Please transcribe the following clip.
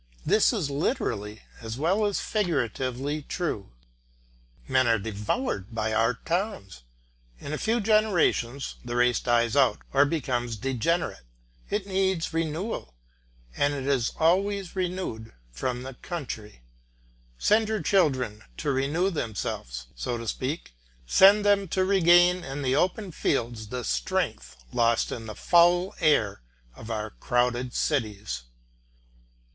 This is literally as well as figuratively true. Men are devoured by our towns. In a few generations the race dies out or becomes degenerate; it needs renewal, and it is always renewed from the country. Send your children to renew themselves, so to speak, send them to regain in the open fields the strength lost in the foul air of our crowded cities.